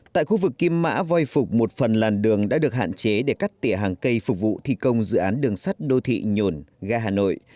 tại khu vực kim mã voi phục một phần làn đường đã được hạn chế để cắt tỉa hàng cây phục vụ thi công dự án đường sắt đô thị nhổn ga hà nội